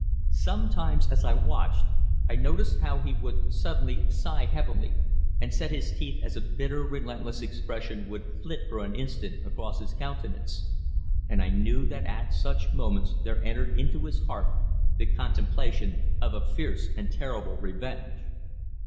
Sometimes, as I watched, I noticed how he would suddenly sigh heavily, and set his teeth as a bitter relentless expression would flit for an instant across his countenance, and I knew that at such moments there entered into his heart the contemplation of a fierce and terrible revenge.